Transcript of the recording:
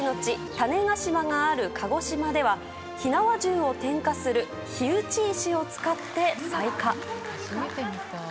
種子島のある鹿児島では火縄銃を点火する火打ち石を使って採火。